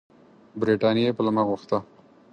برټانیې پلمه غوښته.